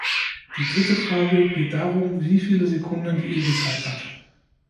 Die "dritte Frage" geht darum, wie viele Sekunden die Ewigkeit hat.